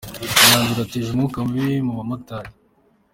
Imyanzuro yateje umwuka mubi mu mu bamotari….